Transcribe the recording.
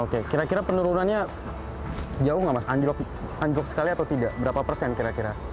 oke kira kira penurunannya jauh nggak mas anjlok anjlok sekali atau tidak berapa persen kira kira